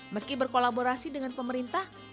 meski berkolaborasi dengan pemerintah